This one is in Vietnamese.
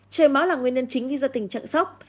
trời máu là nguyên nhân chính khi gia tình trận sốc